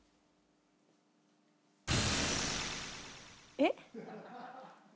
えっ？